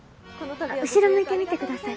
後ろ向いてみてください。